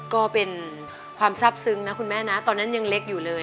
ก็เป็นความทราบซึ้งนะคุณแม่นะตอนนั้นยังเล็กอยู่เลย